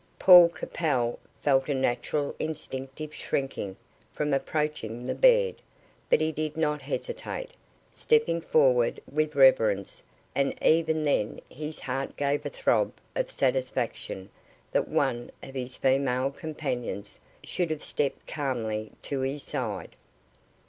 Paul Capel felt a natural instinctive shrinking from approaching the bed, but he did not hesitate, stepping forward with reverence, and even then his heart gave a throb of satisfaction that one of his female companions should have stepped calmly to his side.